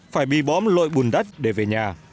phải bị bóm lội bùn đất để về nhà